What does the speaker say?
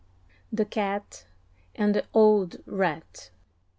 THE CAT AND THE OLD RAT.